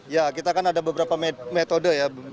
ya kita kan ada beberapa metode ya